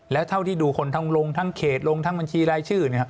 แล้วเท่าที่ดูคนทั้งลงทั้งเขตลงทั้งบัญชีรายชื่อ